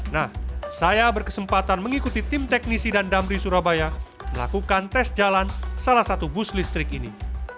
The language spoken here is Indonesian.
nah saya berkesempatan mengikuti tim teknisi dan damri surabaya melakukan tes jalan salah satu bus listrik ini